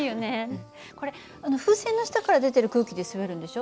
これ風船の下から出てる空気で滑るんでしょ。